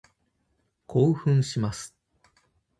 興奮します。